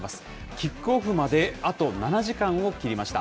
キックオフまであと７時間を切りました。